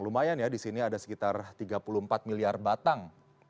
lumayan ya di sini ada sekitar tiga puluh empat miliar batang